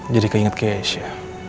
jadi keinget keisha